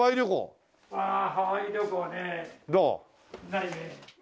ないね。